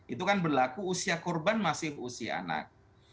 itu kan berlaku usia korban masih usia anak